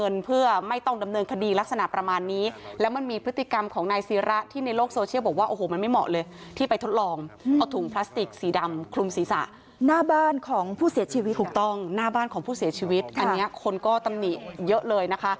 อันนี้ถูกต้องหน้าบ้านของผู้เสียชีวิตอันนี้คนก็ตำหนิเยอะเลยนะคะ